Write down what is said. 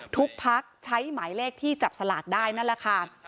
พักใช้หมายเลขที่จับสลากได้นั่นแหละค่ะ